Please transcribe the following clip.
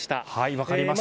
分かりました。